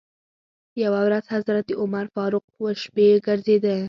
یوه ورځ حضرت عمر فاروق و شپې ګرځېده.